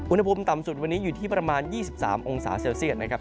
อุณหภูมิต่ำสุดวันนี้อยู่ที่ประมาณ๒๓องศาเซลเซียตนะครับ